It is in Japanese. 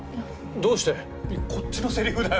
どうして⁉こっちのセリフだよ。